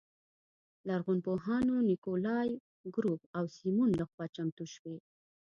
لرغونپوهانو نیکولای ګروب او سیمون لخوا چمتو شوې.